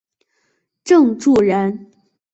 郑注人。